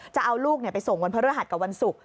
จะเอาลูกไปส่งวันพระฤหัสกับวันศุกร์